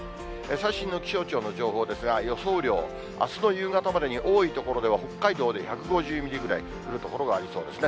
最新の気象庁の情報ですが、予想雨量、あすの夕方までに多い所では、北海道で１５０ミリぐらい降る所がありそうですね。